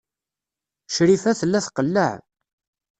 Crifa tella tqelleɛ.